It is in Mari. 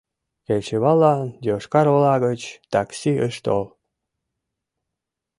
Кечываллан Йошкар-Ола гыч такси ыш тол.